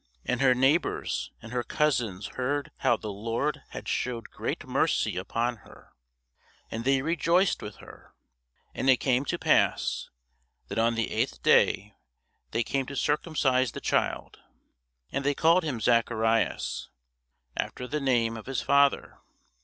And her neighbours and her cousins heard how the Lord had shewed great mercy upon her; and they rejoiced with her. And it came to pass, that on the eighth day they came to circumcise the child; and they called him Zacharias, after the name of his father.